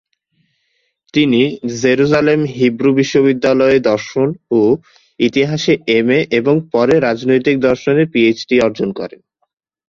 তিনি জেরুজালেমের হিব্রু বিশ্ববিদ্যালয়ে দর্শন ও ইতিহাসে এমএ এবং পরে রাজনৈতিক দর্শনে পিএইচডি অর্জন করেন।